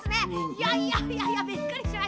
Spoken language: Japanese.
いやいやいやいやびっくりしました。